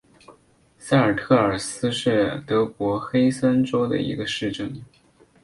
塞尔特尔斯是德国黑森州的一个市镇。